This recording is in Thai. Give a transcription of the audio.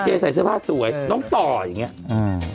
จเจย์ใส่เสื้อผ้าสวยน้องต่ออย่างนี้